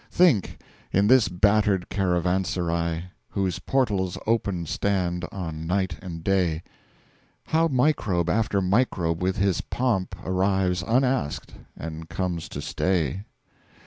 Think in this battered Caravanserai, Whose Portals open stand all Night and Day, How Microbe after Microbe with his Pomp Arrives unasked, and comes to stay.